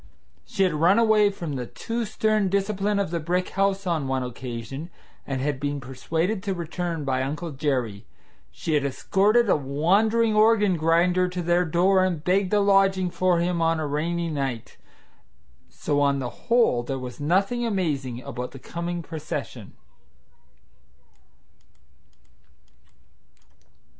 She had run away from the too stern discipline of the brick house on one occasion, and had been persuaded to return by Uncle Jerry. She had escorted a wandering organ grinder to their door and begged a lodging for him on a rainy night; so on the whole there was nothing amazing about the coming procession.